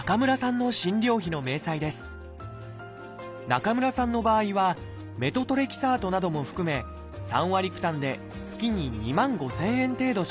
中村さんの場合はメトトレキサートなども含め３割負担で月に２万５，０００円程度支払っています。